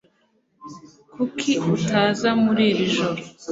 Kuki utaza muri iri joro?